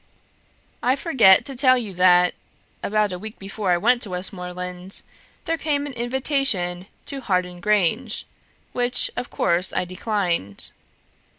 "I forget to tell you that, about a week before I went to Westmoreland, there came an invitation to Harden Grange; which, of course, I declined.